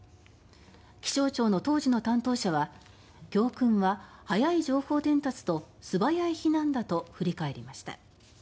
気象庁の当時の担当者は教訓は早い情報伝達と素早い避難だと振り返りました。